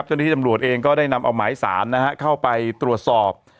เจ้าหน้าที่ตำรวจเองก็ได้นำเอาหมายสารนะฮะเข้าไปตรวจสอบ